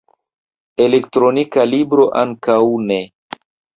Elektronika libro ankaŭ ne.